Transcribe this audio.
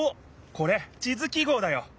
これ地図記号だよ。